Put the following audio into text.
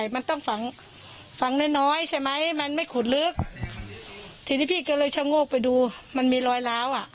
ไม่น้อยใช่ไหมมันไม่ขุดลึกทีนี้พี่ก็เลยชะงกไปดูมันมีรอยล้าวอ่ะ